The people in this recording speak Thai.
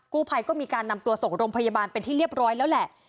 กู้ภัยก็มีการนำตัวส่งโรงพยาบาลเป็นที่เรียบร้อยแล้วแหละ